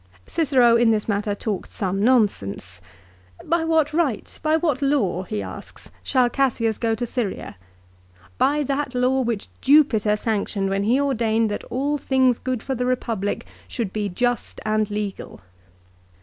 Cicero in this matter talked some nonsense. " By what right, by what law," he asks. " shall Cassius go to Syria ? By that law which Jupiter sanctioned when he ordained that all things good for the Eepublic should be just and legal."